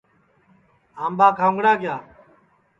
آمٻا کھاؤنگڑا کِیا